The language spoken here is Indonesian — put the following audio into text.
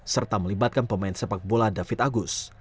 serta melibatkan pemain sepak bola david agus